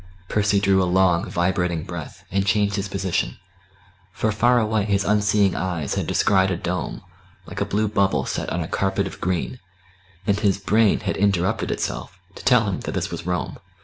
Percy drew a long vibrating breath, and changed his position; for far away his unseeing eyes had descried a dome, like a blue bubble set on a carpet of green; and his brain had interrupted itself to tell him that this was Rome.